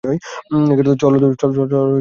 চলো, দানবদের মুখোমুখি হই।